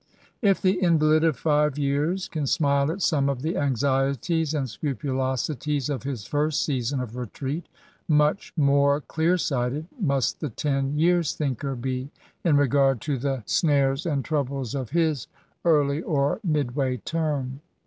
If the invalid of five years can smile at some of the anxieties and scrupulosities of his first season of retreat, much more clear sighted must the ten years' thinker be in regard to the snares and troubles of his early or midway term.